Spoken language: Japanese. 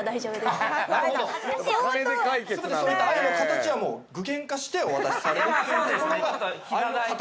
全てそういった愛の形はもう具現化してお渡しされるっていうところが愛の形。